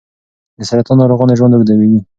د سرطان ناروغانو ژوند اوږدوي.